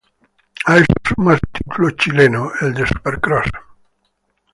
A eso suma un título chileno: el de Supercross.